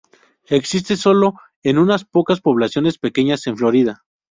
Existe solo en unas pocas poblaciones pequeñas en Florida.